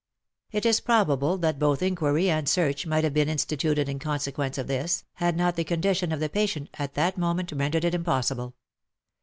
It is probable that both inquiry and search might have been insti tuted in consequence of this, had not the condition of the patient at that moment rendered it impossible.